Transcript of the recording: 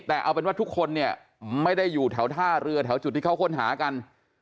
แต่เอาเป็นว่าทุกคนเนี่ยไม่ได้อยู่แถวท่าเรือแถวจุดที่เขาค้นหากัน